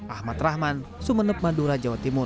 ahmad rahman sumeneb madura jawa timur